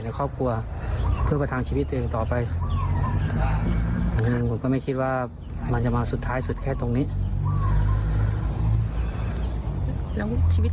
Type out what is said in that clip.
แล้วชีวิตลำบากมั้ยคะตอนนี้